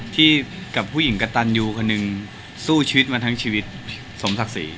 ที่กับผู้หญิงกระตันยูคนหนึ่งสู้ชีวิตมาทั้งชีวิตสมศักดิ์ศรี